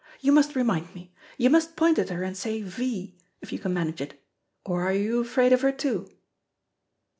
You must remind me. You must point at her and say V, if you can manage it. Or are you afraid of her too?"